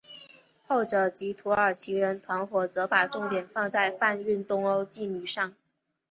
后者即土耳其人团伙则把重点放在贩运东欧妓女上。